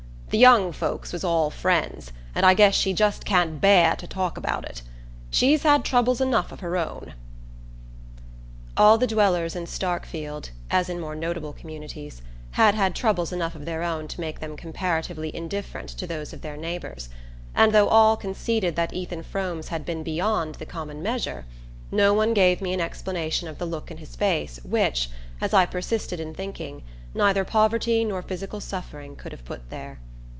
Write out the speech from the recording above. The young folks was all friends, and I guess she just can't bear to talk about it. She's had troubles enough of her own." All the dwellers in Starkfield, as in more notable communities, had had troubles enough of their own to make them comparatively indifferent to those of their neighbours; and though all conceded that Ethan Frome's had been beyond the common measure, no one gave me an explanation of the look in his face which, as I persisted in thinking, neither poverty nor physical suffering could have put there.